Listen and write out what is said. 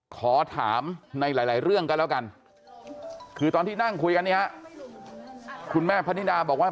ขอถามในหลายเรื่องก็แล้วกันคือตอนที่นั่งคุยกันเนี่ยคุณแม่พนิดาบอกว่า